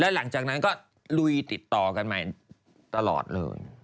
หลังจากนั้นก็ลุยติดต่อกันใหม่ตลอดเลย